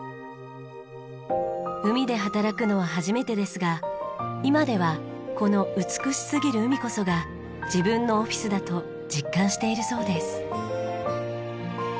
海で働くのは初めてですが今ではこの美しすぎる海こそが自分のオフィスだと実感しているそうです。